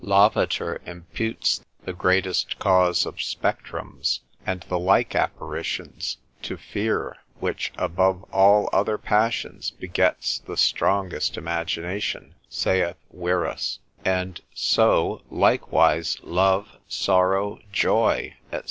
Lavater imputes the greatest cause of spectrums, and the like apparitions, to fear, which above all other passions begets the strongest imagination (saith Wierus), and so likewise love, sorrow, joy, &c.